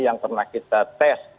yang pernah kita tes